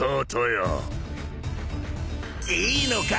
いいのか？